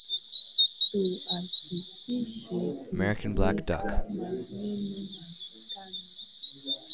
Tuhakikishe tumeeka maeno matano